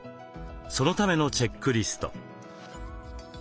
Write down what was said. そのためのチェックリスト。